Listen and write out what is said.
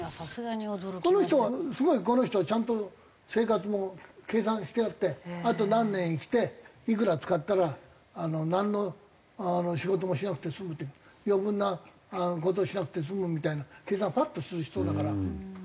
この人はすごいこの人はちゃんと生活も計算してあってあと何年生きていくら使ったらなんの仕事もしなくて済むって余分な事をしなくて済むみたいな計算をパッとする人だから。